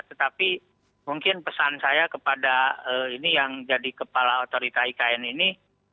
tetapi mungkin pesan saya kepada ini yang jadi kepala otorita ikn ini